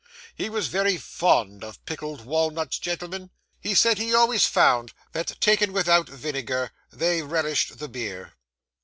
He was very fond of pickled walnuts, gentlemen. He said he always found that, taken without vinegar, they relished the beer.